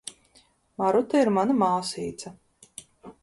Maruta ir mana māsīca.